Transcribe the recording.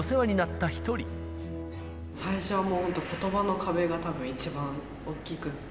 最初はもう、本当ことばの壁がたぶん一番大きくて。